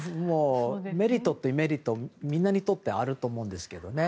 メリットってみんなにとってあると思うんですけどね。